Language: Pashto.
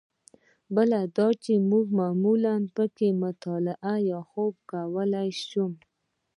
بل دا چې زه معمولاً په کې مطالعه یا خوب کولای شم.